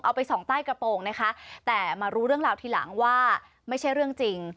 เอาไปส่องใต้กระโปรงนะคะแต่มารู้เรื่องราวทีหลังว่าไม่ใช่เรื่องจริง